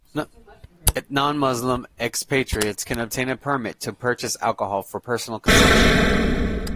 Non-Muslim expatriates can obtain a permit to purchase alcohol for personal consumption.